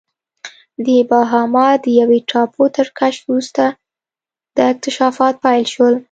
د باهاما د یوې ټاپو تر کشف وروسته دا اکتشافات پیل شول.